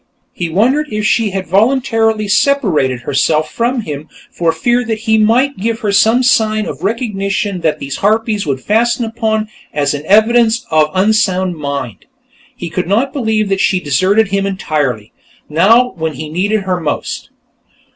He wondered if she had voluntarily separated herself from him for fear he might give her some sign of recognition that these harpies would fasten upon as an evidence of unsound mind. He could not believe that she had deserted him entirely, now when he needed her most....